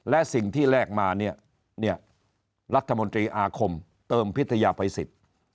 และสิ่งที่แลกมาเนี่ยรัฐมนตรีอาคมเติมพิทยาภัยสิทธิ์